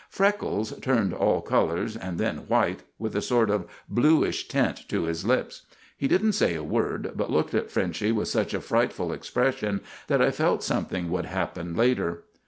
Freckles turned all colors, and then white, with a sort of bluish tint to his lips. He didn't say a word, but looked at Frenchy with such a frightful expression that I felt something would happen later.